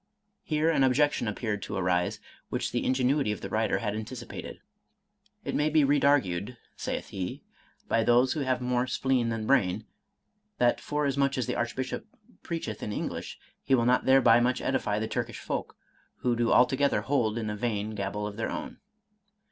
Here an objection appeared to arise, which the ingenuity of the writer had anticipated. —" It may be redargued," saith he, " by those who have more spleen than brain, that forasmuch as the Archbishop preacheth in English, he will not thereby much edify the Turkish folk, who do altogether hold in a vain gabble of their own."